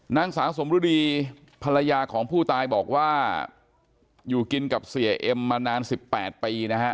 นางสาวสมรุดีภรรยาของผู้ตายบอกว่าอยู่กินกับเสียเอ็มมานาน๑๘ปีนะฮะ